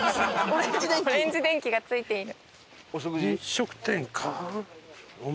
オレンジデンキがついている。